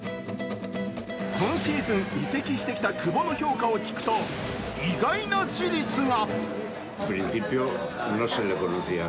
今シーズン移籍してきた久保の評価を聞くと意外な事実が。